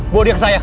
bawa dia ke saya